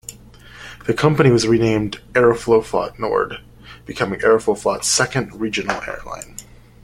The company was renamed Aeroflot-Nord, becoming Aeroflot's second regional airline.